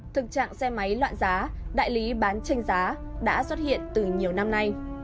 thực trạng xe máy loạn giá đại lý bán tranh giá đã xuất hiện từ nhiều năm nay